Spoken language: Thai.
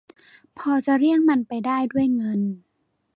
พอจะเลี่ยงมันไปได้ ด้วยเงิน